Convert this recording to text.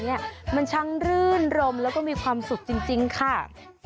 เนี่ยมันช่างรื่นรมแล้วก็มีความสุขจริงค่ะ